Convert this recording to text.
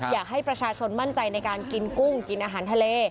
อยากให้ประชาชนมั่นใจในการกินกุ้งกินอาหารทะเล